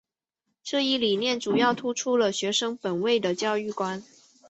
这一理念主要突出了学生本位的教育观。